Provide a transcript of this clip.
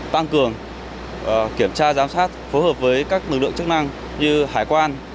tăng cường kiểm tra giám sát phối hợp với các lực lượng chức năng như hải quan